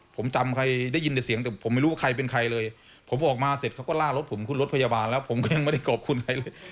ที่ส่งเครื่องไม้และเครื่องมือ